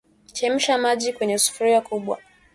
Chemsha maji kwenye sufuria kubwa